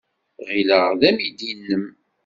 Ɣileɣ d amidi-nnem.